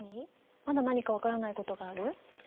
まだ何か分からないことがある？